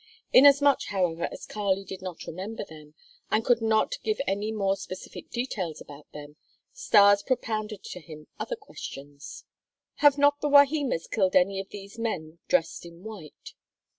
Inasmuch, however, as Kali did not remember them and could not give any more specific details about them, Stas propounded to him other questions. "Have not the Wahimas killed any of these men dressed in white?"